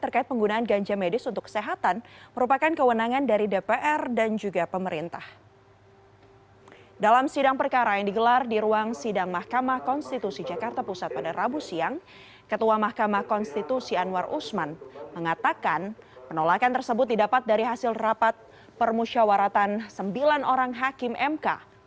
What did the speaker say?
ketua mahkamah konstitusi anwar usman mengatakan penolakan tersebut didapat dari hasil rapat permusyawaratan sembilan orang hakim mk